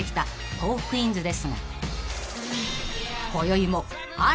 『トークィーンズ』で。